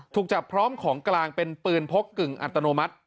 ถูกจับพร้อมของกลางเป็นปืนพกกึ่งอัตโนมัติ